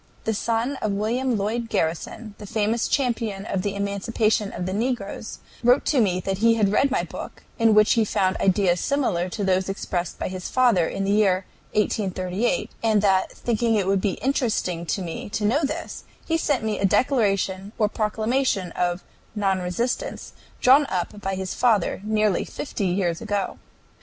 The son of William Lloyd Garrison, the famous champion of the emancipation of the negroes, wrote to me that he had read my book, in which he found ideas similar to those expressed by his father in the year 1838, and that, thinking it would be interesting to me to know this, he sent me a declaration or proclamation of "non resistance" drawn up by his father nearly fifty years ago.